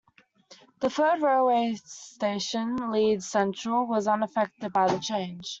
The third railway station, Leeds Central, was unaffected by the change.